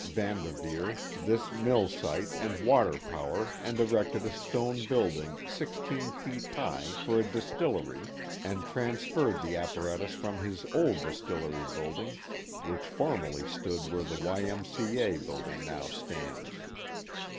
Van Derveer this mill site and water power and erected a stone building sixteen feet high for a distillery, and transferred the apparatus from his old distillery building, which formerly stood where the Y. M. C. A. building now stands.